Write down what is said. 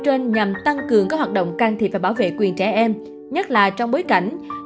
trên nhằm tăng cường các hoạt động can thiệp và bảo vệ quyền trẻ em nhất là trong bối cảnh